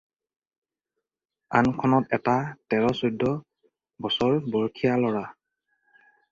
আনখনত এটা তেৰ-চৈধ্য বছৰ বয়সীয়া ল'ৰা।